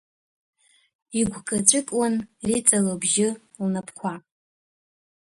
Игәкы-ҵәыкуан Риҵа лыбжьы, лнапқәа.